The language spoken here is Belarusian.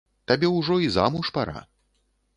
Табе ўжо і замуж пара.